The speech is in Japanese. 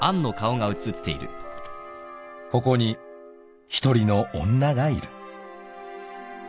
［ここに一人の女がいる］